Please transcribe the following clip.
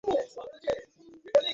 টিচাররা কিভাবে জানবে।